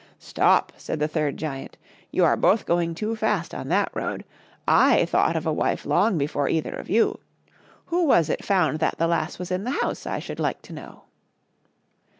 "Stop!" said the third giant. "You are both going too fast on that road. I thought of a wife long before either of you. Who was it found that the lass was in the house, I should like to know